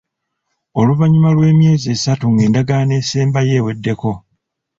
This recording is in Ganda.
Oluvannyuma lw'emyezi esatu ng'Endagaano Esembayo eweddeko.